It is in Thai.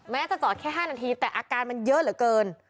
จะจอดแค่๕นาทีแต่อาการมันเยอะเหลือเกิน